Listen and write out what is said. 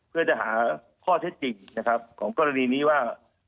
เพื่อจะหาข้อเท็จจริงนะครับของกรณีนี้ว่า